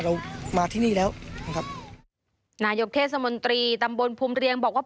เรามาที่นี่แล้วนะครับนายกเทศมนตรีตำบลภูมิเรียงบอกว่า